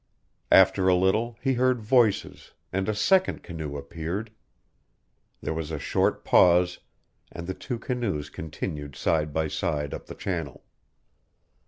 After a little he heard voices, and a second canoe appeared. There was a short pause, and the two canoes continued side by side up the channel.